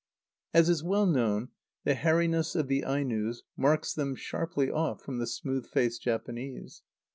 As is well known, the hairiness of the Ainos marks them sharply off from the smooth faced Japanese.